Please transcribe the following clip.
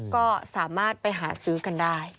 ก็สามารถไปหาซื้อกันได้